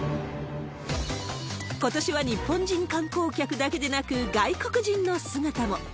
ことしは日本人観光客だけでなく外国人の姿も。